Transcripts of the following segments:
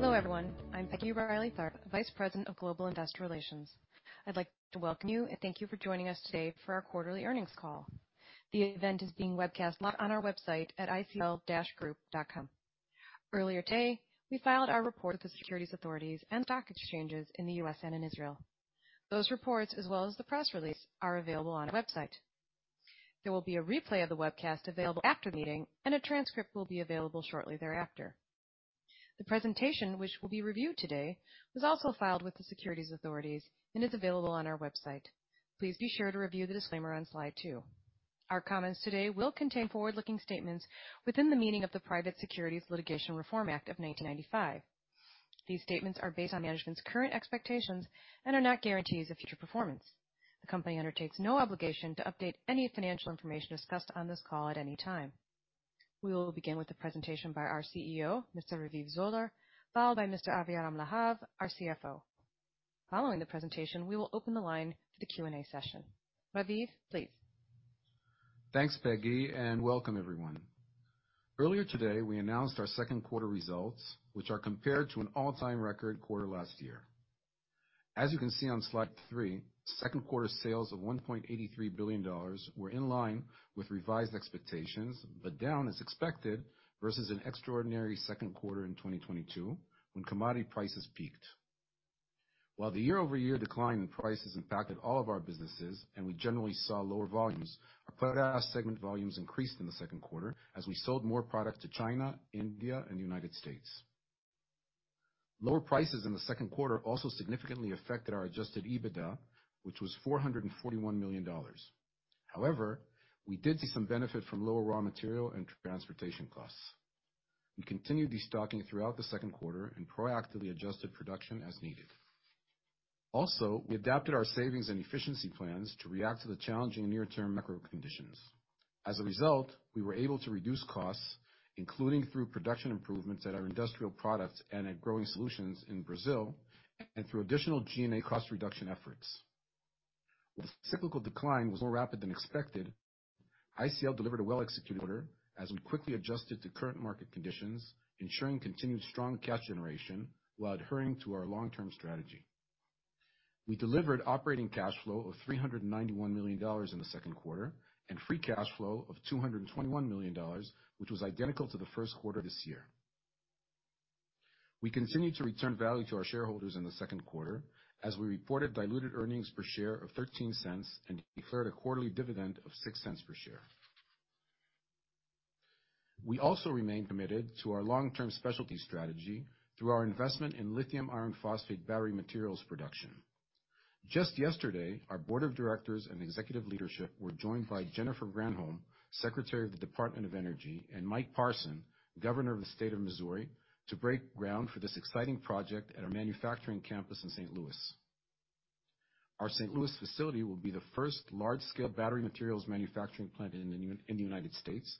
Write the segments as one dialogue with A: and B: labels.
A: Hello, everyone. I'm Peggy Reilly Tharp, Vice President of Global Investor Relations. I'd like to welcome you and thank you for joining us today for our quarterly earnings call. The event is being webcast live on our website at icl-group.com. Earlier today, we filed our report with the securities authorities and stock exchanges in the US and in Israel. Those reports, as well as the press release, are available on our website. There will be a replay of the webcast available after the meeting, and a transcript will be available shortly thereafter. The presentation, which will be reviewed today, was also filed with the securities authorities and is available on our website. Please be sure to review the disclaimer on slide two. Our comments today will contain forward-looking statements within the meaning of the Private Securities Litigation Reform Act of 1995. These statements are based on management's current expectations and are not guarantees of future performance. The company undertakes no obligation to update any financial information discussed on this call at any time. We will begin with the presentation by our CEO, Mr. Raviv Zoller, followed by Mr. Aviram Lahav, our CFO. Following the presentation, we will open the line to the Q&A session. Raviv, please.
B: Thanks, Peggy, and welcome everyone. Earlier today, we announced our second quarter results, which are compared to an all-time record quarter last year. As you can see on slide three, second quarter sales of $1.83 billion were in line with revised expectations, but down as expected, versus an extraordinary second quarter in 2022, when commodity prices peaked. While the year-over-year decline in prices impacted all of our businesses and we generally saw lower volumes, our products segment volumes increased in the second quarter as we sold more product to China, India, and the United States. Lower prices in the second quarter also significantly affected our adjusted EBITDA, which was $441 million. However, we did see some benefit from lower raw material and transportation costs. We continued destocking throughout the second quarter and proactively adjusted production as needed. Also, we adapted our savings and efficiency plans to react to the challenging near-term macro conditions. As a result, we were able to reduce costs, including through production improvements at our industrial products and at Growing Solutions in Brazil, and through additional G&A cost reduction efforts. While the cyclical decline was more rapid than expected, ICL delivered a well-executed order as we quickly adjusted to current market conditions, ensuring continued strong cash generation while adhering to our long-term strategy. We delivered operating cash flow of $391 million in the second quarter, and free cash flow of $221 million, which was identical to the Q1 this year. We continued to return value to our shareholders in the second quarter as we reported diluted earnings per share of $0.13 and declared a quarterly dividend of $0.06 per share. We also remain committed to our long-term specialty strategy through our investment in lithium iron phosphate battery materials production. Just yesterday, our board of directors and executive leadership were joined by Jennifer Granholm, Secretary of the Department of Energy, and Mike Parson, Governor of the State of Missouri, to break ground for this exciting project at our manufacturing campus in St. Louis. Our St. Louis facility will be the first large-scale battery materials manufacturing plant in the United States,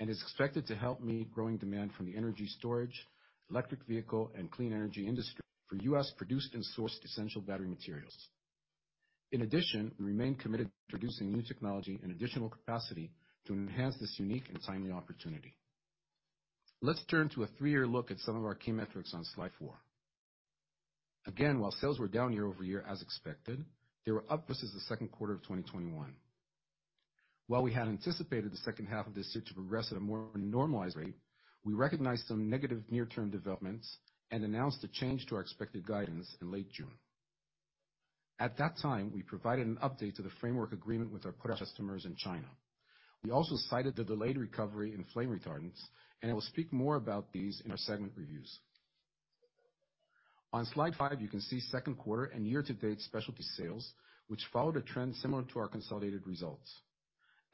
B: and is expected to help meet growing demand from the energy storage, electric vehicle, and clean energy industry for US-produced and sourced essential battery materials. We remain committed to producing new technology and additional capacity to enhance this unique and timely opportunity. Let's turn to a three-year look at some of our key metrics on slide four. While sales were down year-over-year as expected, they were up versus the second quarter of 2021. While we had anticipated the H2 of this year to progress at a more normalized rate, we recognized some negative near-term developments and announced a change to our expected guidance in late June. At that time, we provided an update to the framework agreement with our customers in China. We also cited the delayed recovery in flame retardants. I will speak more about these in our segment reviews. On Slide five, you can see second quarter and year-to-date specialty sales, which followed a trend similar to our consolidated results.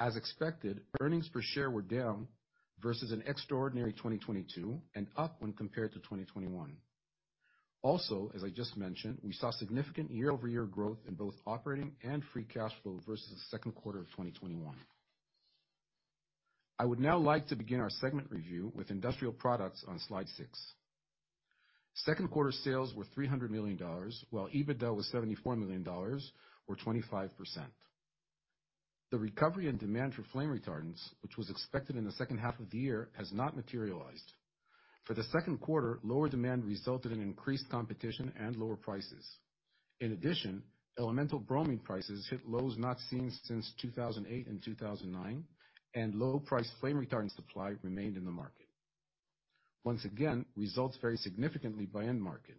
B: As expected, earnings per share were down versus an extraordinary 2022 and up when compared to 2021. As I just mentioned, we saw significant year-over-year growth in both operating and free cash flow versus the second quarter of 2021. I would now like to begin our segment review with industrial products on slide six. Second quarter sales were $300 million, while EBITDA was $74 million, or 25%. The recovery and demand for flame retardants, which was expected in the H2 of the year, has not materialized. For the second quarter, lower demand resulted in increased competition and lower prices. In addition, elemental bromine prices hit lows not seen since 2008 and 2009, and low-priced flame retardant supply remained in the market. Once again, results vary significantly by end market.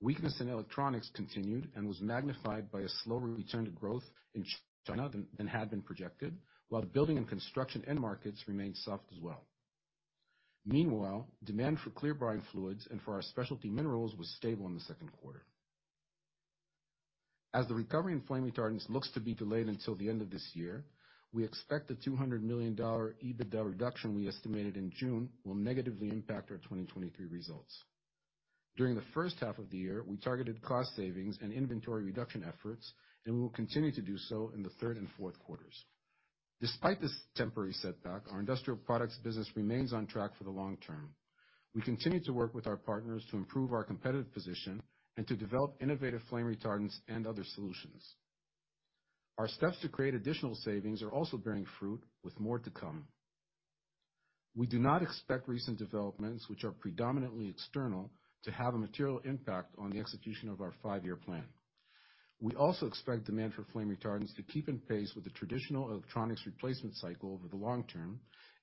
B: Weakness in electronics continued and was magnified by a slower return to growth in China than, than had been projected, while the building and construction end markets remained soft as well. Meanwhile, demand for clear brine fluids and for our specialty minerals was stable in the second quarter. As the recovery in flame retardants looks to be delayed until the end of this year, we expect the $200 million EBITDA reduction we estimated in June will negatively impact our 2023 results. During the H1 of the year, we targeted cost savings and inventory reduction efforts, and we will continue to do so in the third and Q4s. Despite this temporary setback, our industrial products business remains on track for the long term. We continue to work with our partners to improve our competitive position and to develop innovative flame retardants and other solutions.... Our steps to create additional savings are also bearing fruit, with more to come. We do not expect recent developments, which are predominantly external, to have a material impact on the execution of our five-year plan. We also expect demand for flame retardants to keep in pace with the traditional electronics replacement cycle over the long term,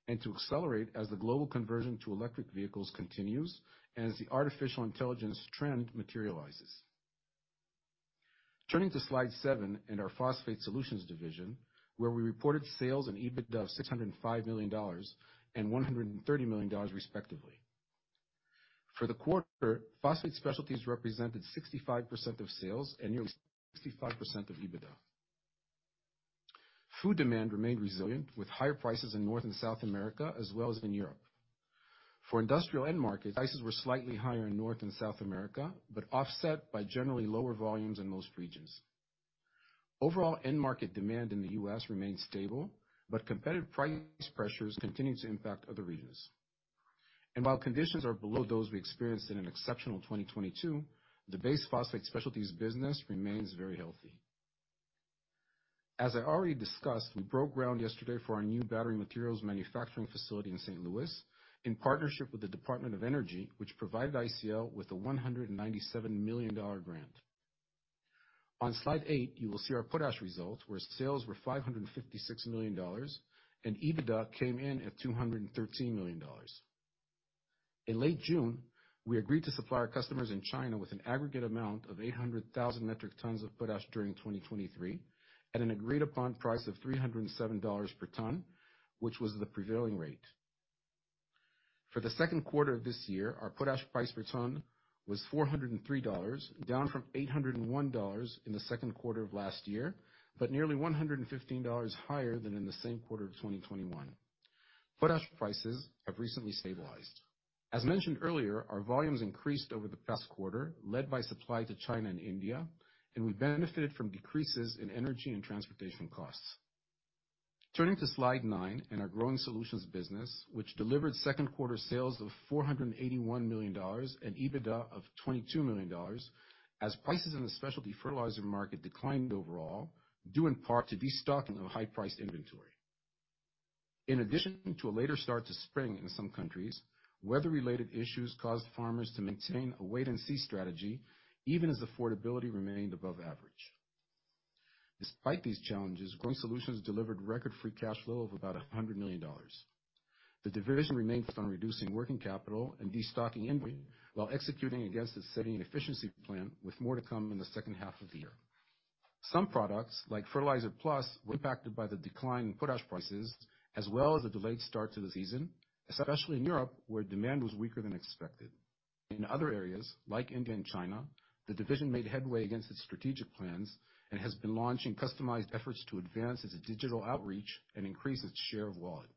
B: and to accelerate as the global conversion to electric vehicles continues, and as the artificial intelligence trend materializes. Turning to slide seven in our Phosphate Solutions division, where we reported sales and EBITDA of $605 million and $130 million, respectively. For the quarter, phosphate specialties represented 65% of sales and nearly 65% of EBITDA. Food demand remained resilient, with higher prices in North and South America, as well as in Europe. For industrial end markets, prices were slightly higher in North America and South America, offset by generally lower volumes in most regions. Overall, end market demand in the U.S. remained stable, competitive price pressures continued to impact other regions. While conditions are below those we experienced in an exceptional 2022, the base phosphate specialties business remains very healthy. As I already discussed, we broke ground yesterday for our new battery materials manufacturing facility in St. Louis, in partnership with the Department of Energy, which provided ICL with a $197 million grant. On slide eight, you will see our potash results, where sales were $556 million, and EBITDA came in at $213 million. In late June, we agreed to supply our customers in China with an aggregate amount of 800,000 metric tons of potash during 2023, at an agreed upon price of $307 per ton, which was the prevailing rate. For the second quarter of this year, our potash price per ton was $403, down from $801 in the second quarter of last year, nearly $115 higher than in the same quarter of 2021. Potash prices have recently stabilized. As mentioned earlier, our volumes increased over the past quarter, led by supply to China and India, and we benefited from decreases in energy and transportation costs. Turning to slide nine in our Growing Solutions business, which delivered second quarter sales of $481 million and EBITDA of $22 million, as prices in the specialty fertilizer market declined overall, due in part to destocking of high-priced inventory. In addition to a later start to spring in some countries, weather-related issues caused farmers to maintain a wait-and-see strategy, even as affordability remained above average. Despite these challenges, Growing Solutions delivered record free cash flow of about $100 million. The division remains focused on reducing working capital and destocking inventory, while executing against its setting and efficiency plan, with more to come in the H2 of the year. Some products, like FertilizerpluS, were impacted by the decline in potash prices, as well as the delayed start to the season, especially in Europe, where demand was weaker than expected. In other areas, like India and China, the division made headway against its strategic plans and has been launching customized efforts to advance its digital outreach and increase its share of wallet.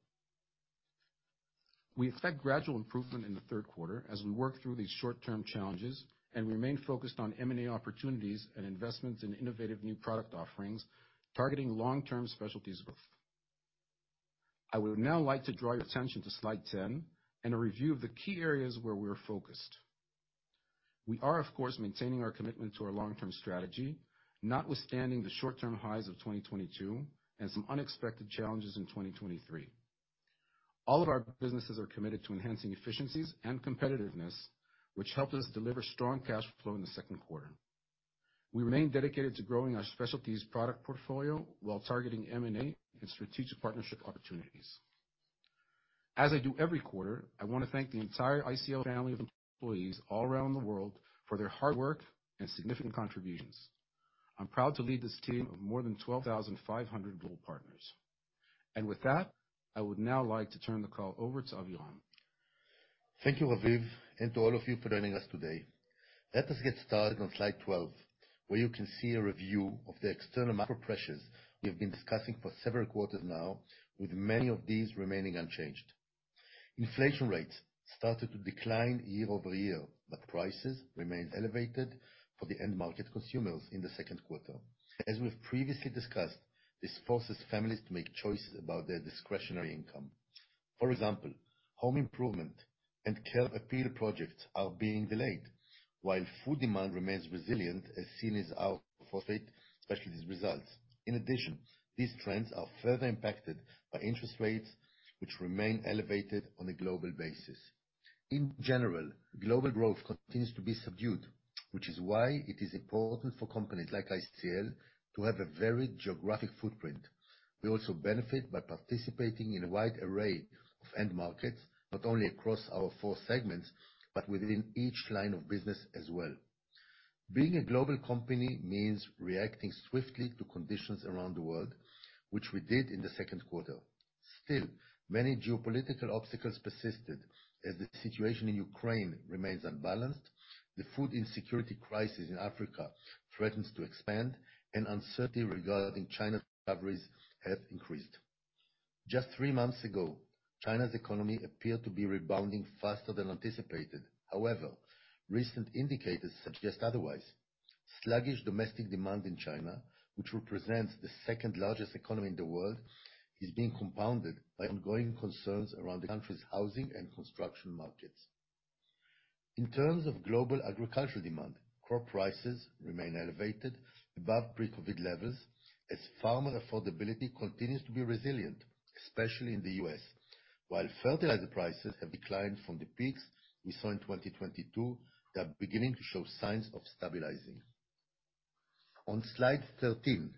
B: We expect gradual improvement in the third quarter as we work through these short-term challenges and remain focused on M&A opportunities and investments in innovative new product offerings, targeting long-term specialties growth. I would now like to draw your attention to slide 10 and a review of the key areas where we are focused. We are, of course, maintaining our commitment to our long-term strategy, notwithstanding the short-term highs of 2022 and some unexpected challenges in 2023. All of our businesses are committed to enhancing efficiencies and competitiveness, which helped us deliver strong cash flow in the second quarter. We remain dedicated to growing our specialties product portfolio while targeting M&A and strategic partnership opportunities. As I do every quarter, I want to thank the entire ICL family of employees all around the world for their hard work and significant contributions. I'm proud to lead this team of more than 12,500 global partners. With that, I would now like to turn the call over to Aviram.
C: Thank you, Raviv, and to all of you for joining us today. Let us get started on slide 12, where you can see a review of the external macro pressures we have been discussing for several quarters now, with many of these remaining unchanged. Inflation rates started to decline year-over-year, but prices remained elevated for the end market consumers in the second quarter. As we've previously discussed, this forces families to make choices about their discretionary income. For example, home improvement and curb appeal projects are being delayed, while food demand remains resilient, as seen as our phosphate specialties results. In addition, these trends are further impacted by interest rates, which remain elevated on a global basis. In general, global growth continues to be subdued, which is why it is important for companies like ICL to have a varied geographic footprint. We also benefit by participating in a wide array of end markets, not only across our four segments, but within each line of business as well. Being a global company means reacting swiftly to conditions around the world, which we did in the second quarter. Many geopolitical obstacles persisted. As the situation in Ukraine remains unbalanced, the food insecurity crisis in Africa threatens to expand, and uncertainty regarding China's recoveries have increased. Just three months ago, China's economy appeared to be rebounding faster than anticipated. However, recent indicators suggest otherwise. Sluggish domestic demand in China, which represents the second largest economy in the world, is being compounded by ongoing concerns around the country's housing and construction markets. In terms of global agricultural demand, crop prices remain elevated above pre-COVID levels, as farmer affordability continues to be resilient, especially in the US. While fertilizer prices have declined from the peaks we saw in 2022, they are beginning to show signs of stabilizing. On slide 13,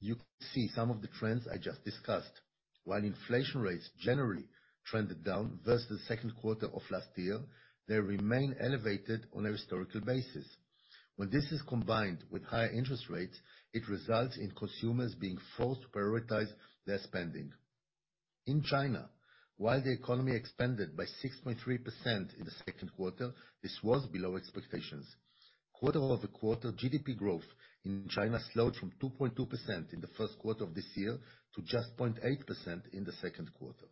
C: you can see some of the trends I just discussed. While inflation rates generally trended down versus the second quarter of last year, they remain elevated on a historical basis. When this is combined with higher interest rates, it results in consumers being forced to prioritize their spending. In China, while the economy expanded by 6.3% in the second quarter, this was below expectations. Quarter-over-quarter, GDP growth in China slowed from 2.2% in the Q1 of this year to just 0.8% in the second quarter.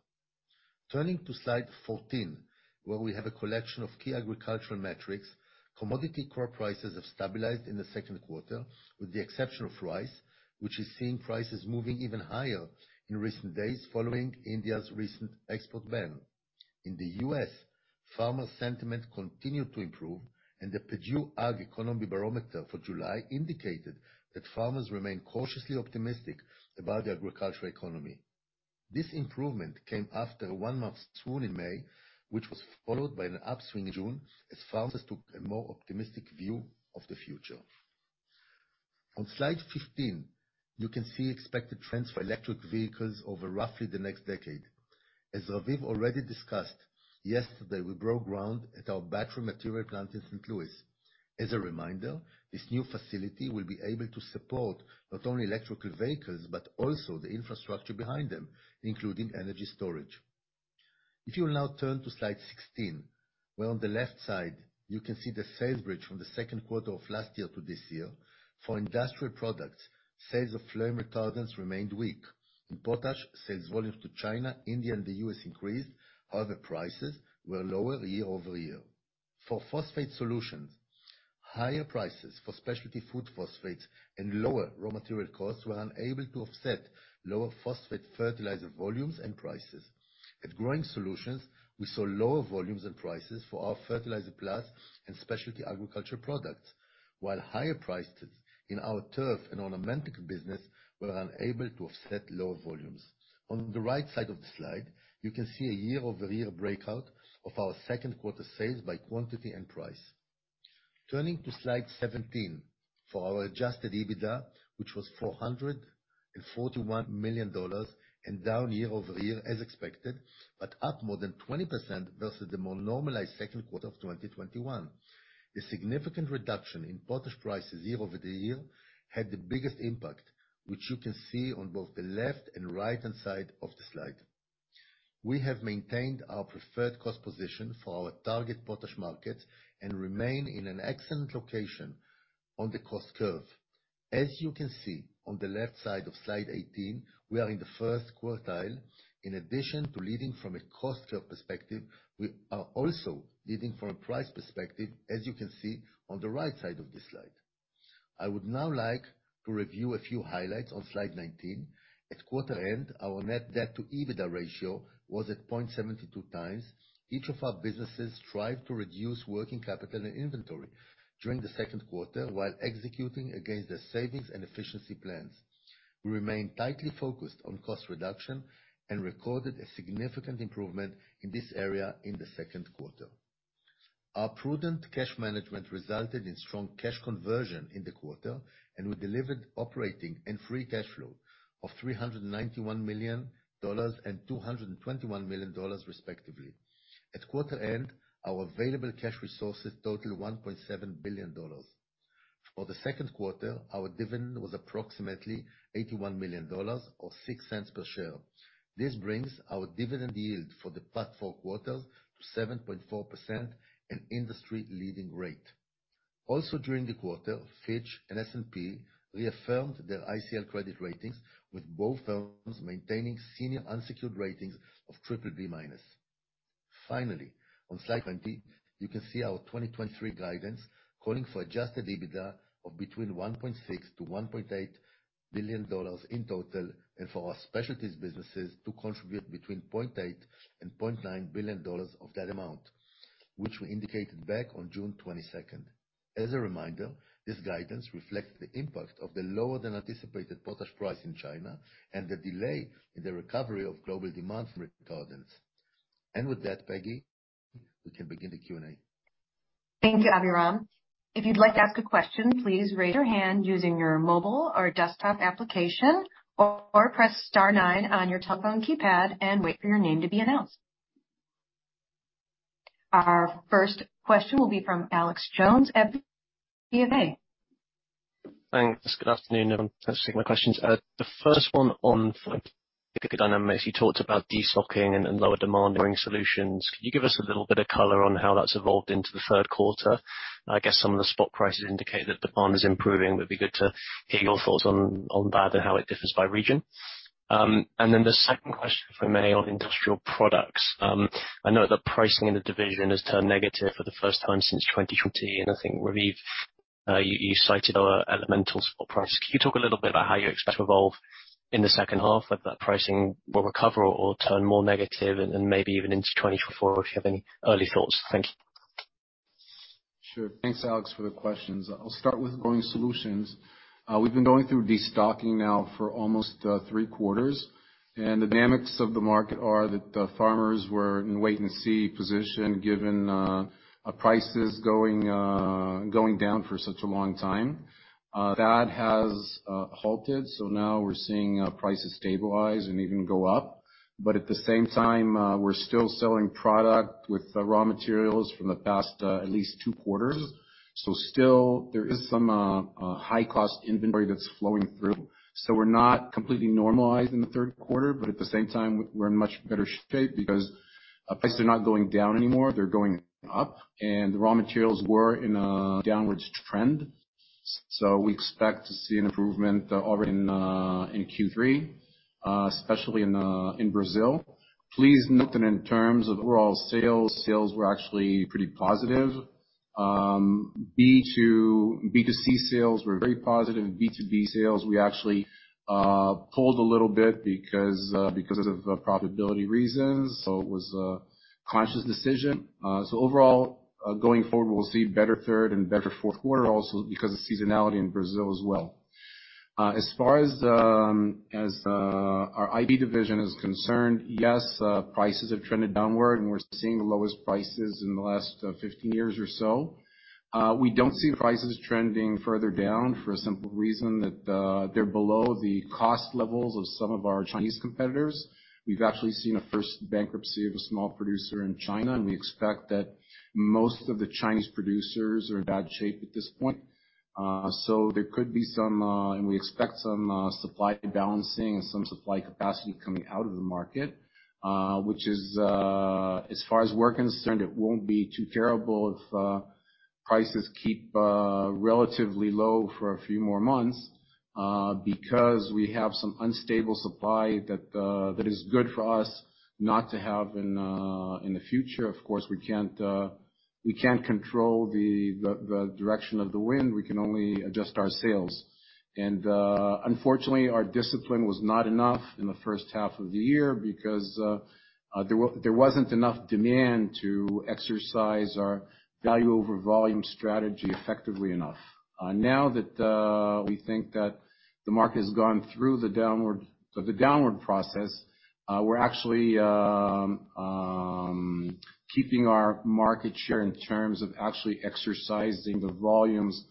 C: Turning to Slide 14, where we have a collection of key agricultural metrics, commodity crop prices have stabilized in the second quarter, with the exception of rice, which is seeing prices moving even higher in recent days following India's recent export ban. In the U.S., farmer sentiment continued to improve, and the Purdue Ag Economy Barometer for July indicated that farmers remain cautiously optimistic about the agricultural economy. This improvement came after a 1-month swoon in May, which was followed by an upswing in June, as farmers took a more optimistic view of the future. On Slide 15, you can see expected trends for electric vehicles over roughly the next decade. As Raviv already discussed, yesterday, we broke ground at our battery material plant in St. Louis. As a reminder, this new facility will be able to support not only electrical vehicles, but also the infrastructure behind them, including energy storage. If you will now turn to slide 16, where on the left side you can see the sales bridge from the second quarter of last year to this year. For industrial products, sales of flame retardants remained weak. In potash, sales volumes to China, India, and the US increased, however, prices were lower year-over-year. For Phosphate Solutions, higher prices for specialty food phosphates and lower raw material costs were unable to offset lower phosphate fertilizer volumes and prices. At Growing Solutions, we saw lower volumes and prices for our fertilizer plants and specialty agriculture products, while higher prices in our turf and ornamental business were unable to offset lower volumes. On the right side of the slide, you can see a year-over-year breakout of our second quarter sales by quantity and price. Turning to Slide 17, for our adjusted EBITDA, which was $441 million, down year-over-year as expected, up more than 20% versus the more normalized second quarter of 2021. The significant reduction in potash prices year-over-year had the biggest impact, which you can see on both the left and right-hand side of the slide. We have maintained our preferred cost position for our target potash market and remain in an excellent location on the cost curve. As you can see on the left side of Slide 18, we are in the first quartile. In addition to leading from a cost curve perspective, we are also leading from a price perspective, as you can see on the right side of this slide. I would now like to review a few highlights on Slide 19. At quarter end, our net debt to EBITDA ratio was at 0.72x. Each of our businesses strived to reduce working capital and inventory during the second quarter, while executing against their savings and efficiency plans. We remain tightly focused on cost reduction and recorded a significant improvement in this area in the second quarter. Our prudent cash management resulted in strong cash conversion in the quarter, and we delivered operating and free cash flow of $391 million and $221 million, respectively. At quarter end, our available cash resources totaled $1.7 billion. For the second quarter, our dividend was approximately $81 million, or $0.06 per share. This brings our dividend yield for the past four quarters to 7.4%, an industry-leading rate. Also, during the quarter, Fitch and S&P reaffirmed their ICL credit ratings, with both firms maintaining senior unsecured ratings of triple B-. Finally, on Slide 20, you can see our 2023 guidance, calling for adjusted EBITDA of between $1.6 billion-$1.8 billion in total, and for our specialties businesses to contribute between $0.8 billion and $0.9 billion of that amount, which we indicated back on June 22nd. As a reminder, this guidance reflects the impact of the lower-than-anticipated potash price in China and the delay in the recovery of global demand from retardants. With that, Peggy, we can begin the Q&A.
D: Thank you, Aviram. If you'd like to ask a question, please raise your hand using your mobile or desktop application, or press star nine on your telephone keypad and wait for your name to be announced. Our first question will be from Alex Jones at BofA.
E: Thanks. Good afternoon, everyone. Thanks for taking my questions. The first one, on dynamics, you talked about destocking and, and lower demand in Growing Solutions. Could you give us a little bit of color on how that's evolved into the Q3? I guess some of the spot prices indicate that demand is improving, but it'd be good to hear your thoughts on, on that and how it differs by region. Then the second question, if I may, on industrial products. I know the pricing in the division has turned negative for the first time since 2020. I think you, you cited, elemental spot price. Can you talk a little bit about how you expect to evolve in the H2, whether that pricing will recover or turn more negative and maybe even into 2024, if you have any early thoughts? Thank you.
B: Sure. Thanks, Alex, for the questions. I'll start with Growing Solutions. We've been going through destocking now for almost three quarters. The dynamics of the market are that the farmers were in wait-and-see position, given prices going down for such a long time. That has halted. Now we're seeing prices stabilize and even go up. At the same time, we're still selling product with the raw materials from the past at least two quarters. Still there is some high-cost inventory that's flowing through. We're not completely normalized in the third quarter, but at the same time, we're in much better shape because prices are not going down anymore, they're going up. The raw materials were in a downwards trend, so we expect to see an improvement already in Q3, especially in Brazil. Please note that in terms of overall sales, sales were actually pretty positive. B2C sales were very positive. B2B sales, we actually pulled a little bit because of profitability reasons, so it was a conscious decision. So overall, going forward, we'll see better third and better Q4 also because of seasonality in Brazil as well. As far as our IP division is concerned, yes, prices have trended downward, and we're seeing the lowest prices in the last 15 years or so. We don't see the prices trending further down for a simple reason, that they're below the cost levels of some of our Chinese competitors. We've actually seen a first bankruptcy of a small producer in China. We expect that most of the Chinese producers are in bad shape at this point. There could be some, and we expect some supply balancing and some supply capacity coming out of the market, which is, as far as we're concerned, it won't be too terrible if prices keep relatively low for a few more months, because we have some unstable supply that that is good for us not to have in the future. Of course, we can't, we can't control the direction of the wind, we can only adjust our sails. Unfortunately, our discipline was not enough in the H1 of the year because there wasn't enough demand to exercise our value over volume strategy effectively enough. Now that we think that the market has gone through the downward, the downward process, we're actually keeping our market share in terms of actually exercising the volumes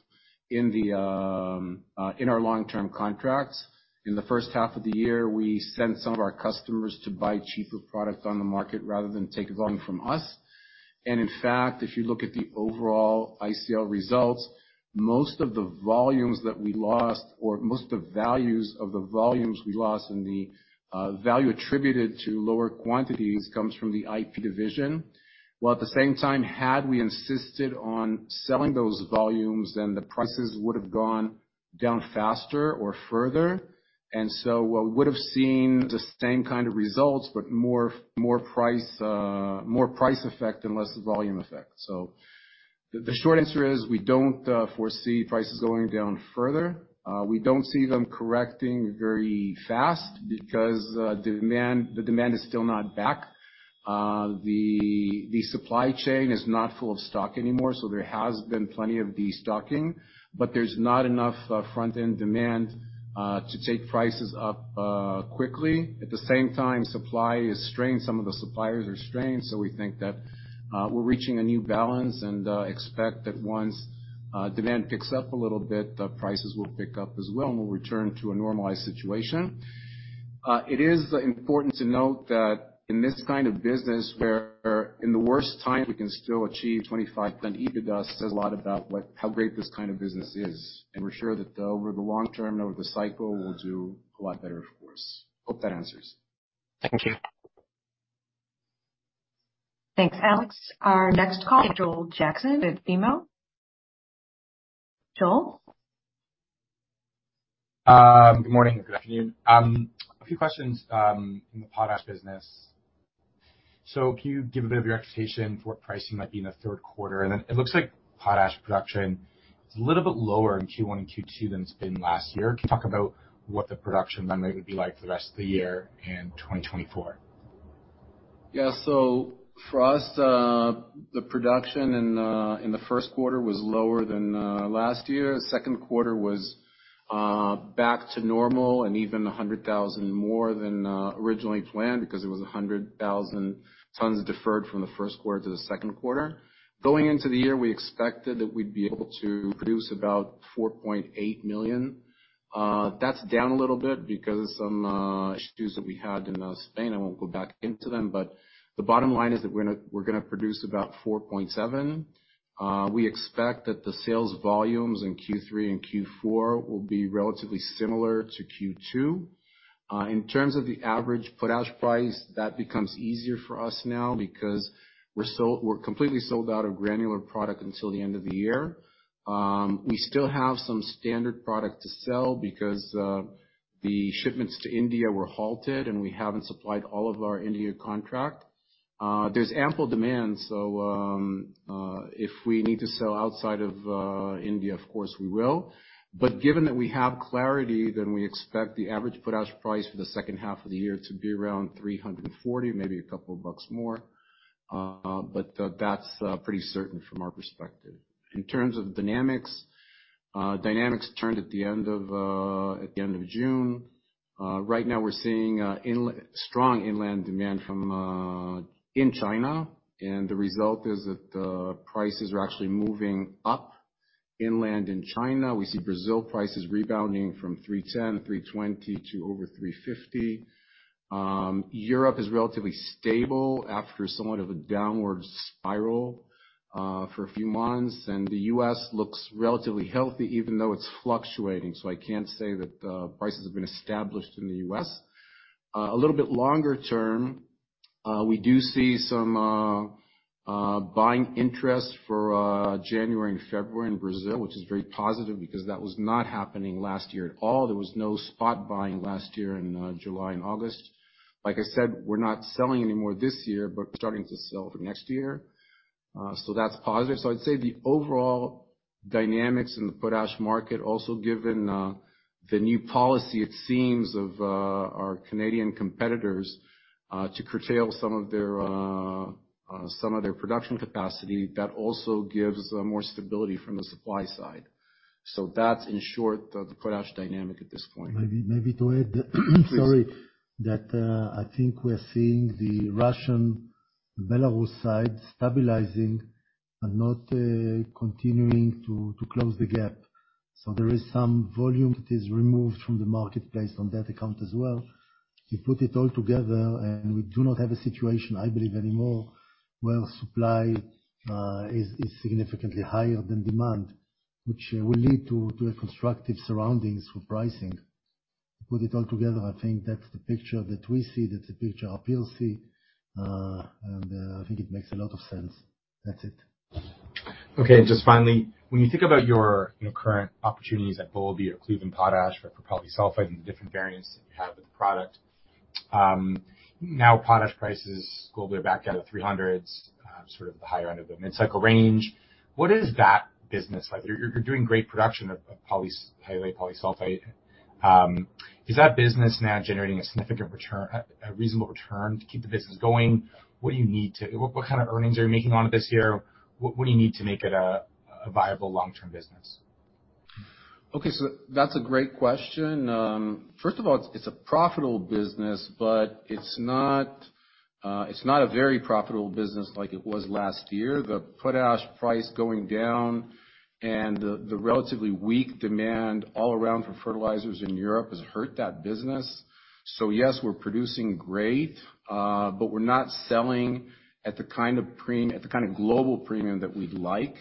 B: in our long-term contracts. In the H1 of the year, we sent some of our customers to buy cheaper product on the market rather than take volume from us. In fact, if you look at the overall ICL results, most of the volumes that we lost, or most of the values of the volumes we lost and the value attributed to lower quantities, comes from the IP division, while at the same time, had we insisted on selling those volumes then the prices would have gone down faster or further. We would have seen the same kind of results, but more, more price, more price effect and less volume effect. The short answer is, we don't foresee prices going down further. We don't see them correcting very fast because demand, the demand is still not back. The supply chain is not full of stock anymore, so there has been plenty of destocking, but there's not enough front-end demand to take prices up quickly. At the same time, supply is strained, some of the suppliers are strained, so we think that, we're reaching a new balance and, expect that once, demand picks up a little bit, the prices will pick up as well, and we'll return to a normalized situation. It is important to note that in this kind of business, where in the worst time, we can still achieve 25% EBITDA says a lot about, like, how great this kind of business is. We're sure that over the long term and over the cycle, we'll do a lot better, of course. Hope that answers.
E: Thank you.
D: Thanks, Alex. Our next call, Joel Jackson with BMO. Joel?
F: Good morning or good afternoon. A few questions in the potash business. Can you give a bit of your expectation for what pricing might be in the Q3? It looks like potash production is a little bit lower in Q1 and Q2 than it's been last year. Can you talk about what the production mandate would be like for the rest of the year in 2024?
B: Yeah. For us, the production in the Q1 was lower than last year. Second quarter was back to normal and even 100,000 more than originally planned because it was 100,000 tons deferred from the Q1 to the second quarter. Going into the year, we expected that we'd be able to produce about 4.8 million. That's down a little bit because of some issues that we had in Spain. I won't go back into them, but the bottom line is that we're gonna, we're gonna produce about 4.7 million. We expect that the sales volumes in Q3 and Q4 will be relatively similar to Q2. In terms of the average potash price, that becomes easier for us now because we're sold—we're completely sold out of granular product until the end of the year. We still have some standard product to sell because the shipments to India were halted, and we haven't supplied all of our India contract. There's ample demand, so if we need to sell outside of India, of course we will. But given that we have clarity, then we expect the average potash price for the H2 of the year to be around $340, maybe a couple of bucks more. But that's pretty certain from our perspective. In terms of dynamics, dynamics turned at the end of at the end of June. Right now, we're seeing strong inland demand from in China. The result is that the prices are actually moving up inland in China. We see Brazil prices rebounding from $310, $320 to over $350. Europe is relatively stable after somewhat of a downward spiral for a few months. The US looks relatively healthy, even though it's fluctuating. I can't say that prices have been established in the US. A little bit longer term, we do see some buying interest for January and February in Brazil, which is very positive because that was not happening last year at all. There was no spot buying last year in July and August. Like I said, we're not selling any more this year. Starting to sell for next year. That's positive. I'd say the overall dynamics in the potash market, also given the new policy, it seems, of our Canadian competitors, to curtail some of their production capacity, that also gives more stability from the supply side. That's in short, the potash dynamic at this point.
G: Maybe, maybe to add,
B: Please.
G: Sorry, that, I think we're seeing the Russian Belarus side stabilizing and not continuing to close the gap. There is some volume that is removed from the marketplace on that account as well. You put it all together, and we do not have a situation, I believe, anymore, where supply is significantly higher than demand, which will lead to a constructive surroundings for pricing. Put it all together, I think that's the picture that we see, that's the picture our people see. I think it makes a lot of sense. That's it.
F: Okay, just finally, when you think about your, you know, current opportunities at Boulby or Cleveland Potash or for Polysulphate and the different variants that you have with the product, now potash prices globally are back out of 300s, sort of the higher end of the mid-cycle range. What is that business like? You're doing great production of Polysulphate. Is that business now generating a significant return, a reasonable return to keep the business going? What kind of earnings are you making on it this year? What do you need to make it a viable long-term business?
B: Okay, that's a great question. First of all, it's, it's a profitable business, but it's not a very profitable business like it was last year. The potash price going down and the, the relatively weak demand all around for fertilizers in Europe has hurt that business. Yes, we're producing great, but we're not selling at the kind of global premium that we'd like.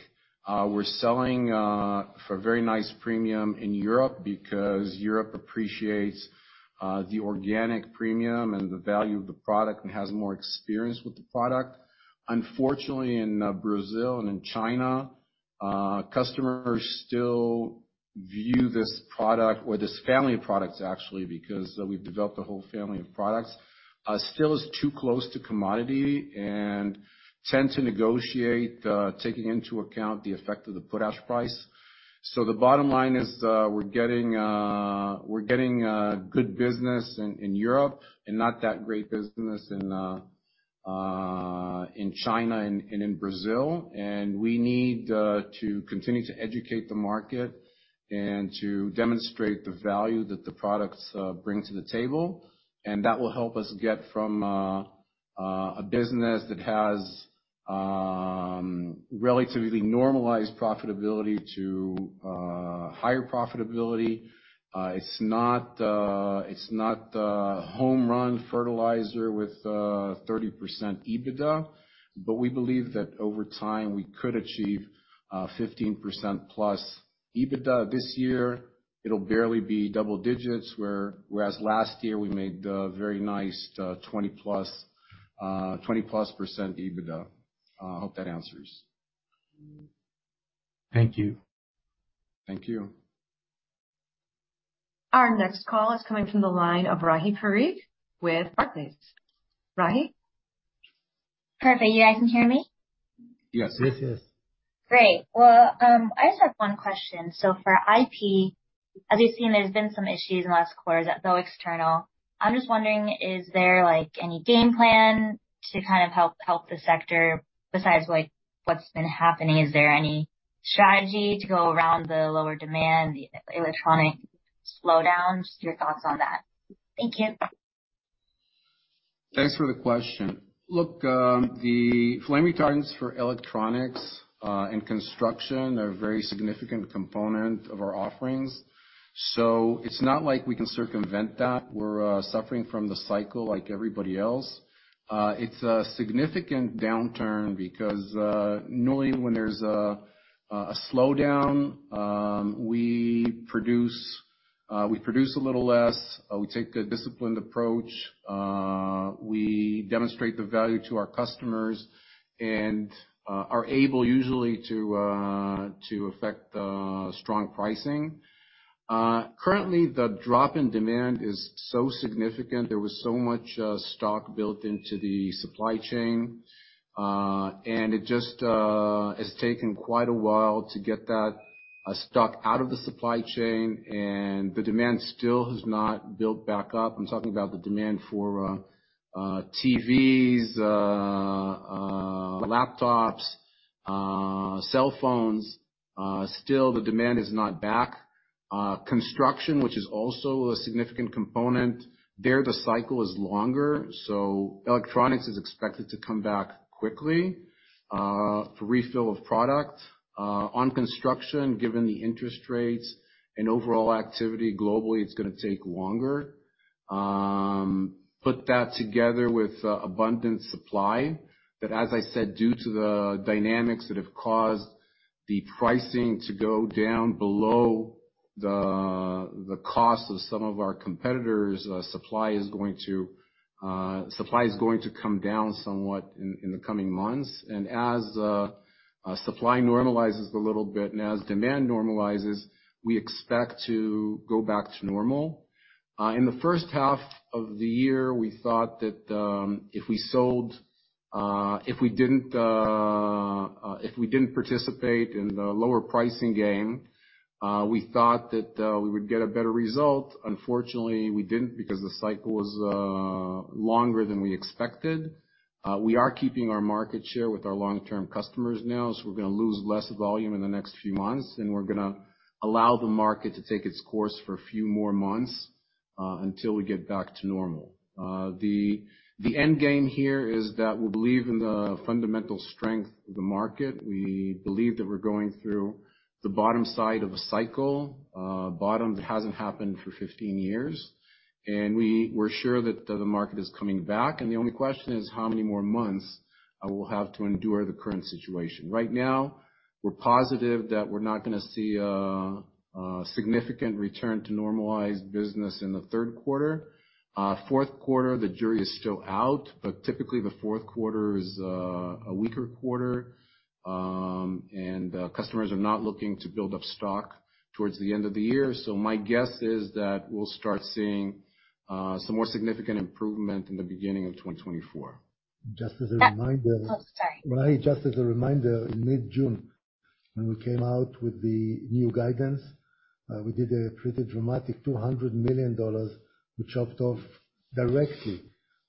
B: We're selling for a very nice premium in Europe because Europe appreciates the organic premium and the value of the product and has more experience with the product. Unfortunately, in Brazil and in China, customers still view this product or this family of products, actually, because we've developed a whole family of products, still is too close to commodity and tend to negotiate, taking into account the effect of the potash price. The bottom line is, we're getting, we're getting, good business in Europe and not that great business in China and in Brazil. We need to continue to educate the market and to demonstrate the value that the products bring to the table, and that will help us get from a business that has, relatively normalized profitability to higher profitability. It's not home run fertilizer with 30% EBITDA, but we believe that over time, we could achieve 15%+ EBITDA. This year, it'll barely be double digits, whereas last year we made a very nice 20+, 20%+ EBITDA. I hope that answers.
F: Thank you.
B: Thank you.
D: Our next call is coming from the line of Rahi Parikh with Barclays. Rahi?
H: Perfect. You guys can hear me?
B: Yes.
C: Yes, yes.
H: Great. Well, I just have one question. For IP, as we've seen, there's been some issues in the last quarter, though external. I'm just wondering, is there, like, any game plan to kind of help, help the sector besides, like, what's been happening? Is there any strategy to go around the lower demand, the electronic slowdowns? Just your thoughts on that. Thank you.
B: Thanks for the question. Look, the flame retardants for electronics and construction are a very significant component of our offerings, so it's not like we can circumvent that. We're suffering from the cycle like everybody else. It's a significant downturn because normally when there's a slowdown, we produce a little less, we take a disciplined approach, we demonstrate the value to our customers and are able usually to affect strong pricing. Currently, the drop in demand is so significant, there was so much stock built into the supply chain. It just has taken quite a while to get that stock out of the supply chain, and the demand still has not built back up. I'm talking about the demand for TVs, laptops, cell phones. Still the demand is not back. Construction, which is also a significant component. There, the cycle is longer, so electronics is expected to come back quickly for refill of product. On construction, given the interest rates and overall activity globally, it's gonna take longer. Put that together with abundant supply, that, as I said, due to the dynamics that have caused the pricing to go down below the cost of some of our competitors, supply is going to supply is going to come down somewhat in the coming months. As supply normalizes a little bit and as demand normalizes, we expect to go back to normal. In the H1 of the year, we thought that if we sold, if we didn't, if we didn't participate in the lower pricing game, we thought that we would get a better result. Unfortunately, we didn't because the cycle was longer than we expected. We are keeping our market share with our long-term customers now, so we're gonna lose less volume in the next few months, and we're gonna allow the market to take its course for a few more months until we get back to normal. The end game here is that we believe in the fundamental strength of the market. We believe that we're going through the bottom side of a cycle, a bottom that hasn't happened for 15 years, and we're sure that the market is coming back. The only question is, how many more months, we'll have to endure the current situation? Right now, we're positive that we're not gonna see a significant return to normalized business in the third quarter. Q4, the jury is still out, but typically the Q4 is a weaker quarter. Customers are not looking to build up stock towards the end of the year. My guess is that we'll start seeing some more significant improvement in the beginning of 2024.
G: Just as a reminder.
H: Oh, sorry.
G: Right. Just as a reminder, in mid-June, when we came out with the new guidance, we did a pretty dramatic $200 million, which chopped off directly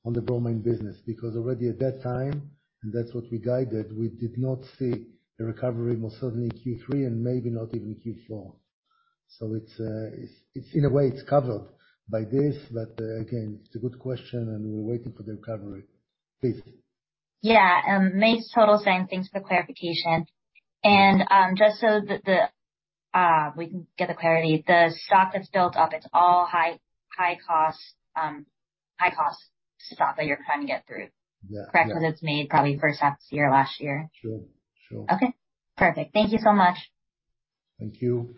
G: on the bromine business, because already at that time, and that's what we guided, we did not see a recovery, most certainly in Q3 and maybe not even Q4. It's, it's, it's in a way, it's covered by this. Again, it's a good question, and we're waiting for the recovery. Please.
H: Yeah, makes total sense. Thanks for the clarification. Just so that the, we can get the clarity, the stock that's built up, it's all high, high cost, high cost stock that you're trying to get through?
G: Yeah, yeah.
H: Correct, that's made probably H1 of this year, last year.
G: Sure, sure.
H: Okay, perfect. Thank you so much.
G: Thank you.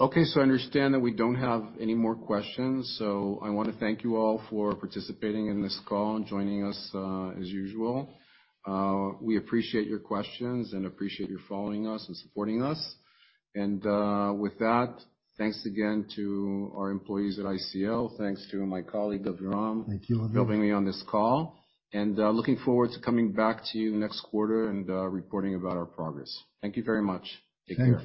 B: Okay, I understand that we don't have any more questions. I want to thank you all for participating in this call and joining us, as usual. We appreciate your questions and appreciate you following us and supporting us. With that, thanks again to our employees at ICL. Thanks to my colleague, Aviram.
C: Thank you.
B: Joining me on this call, and looking forward to coming back to you next quarter and reporting about our progress. Thank you very much. Take care.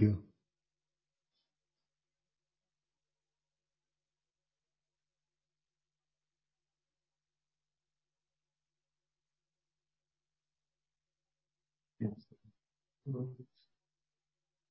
G: Thank you.